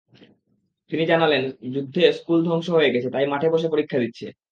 তিনি জানালেন, যুদ্ধে স্কুল ধ্বংস হয়ে গেছে, তাই মাঠে বসে পরীক্ষা দিচ্ছে।